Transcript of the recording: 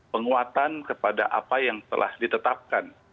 penguatan kepada apa yang telah ditetapkan